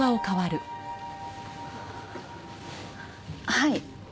はい。